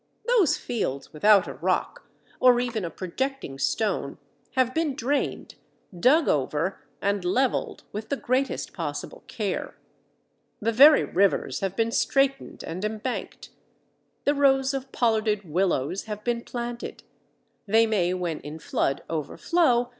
Those fields without a rock, or even a projecting stone, have been drained, dug over, and levelled with the greatest possible care. The very rivers have been straightened and embanked; the rows of pollarded willows have been planted; they may, when in flood, overflow, but the results are very soon no longer visible.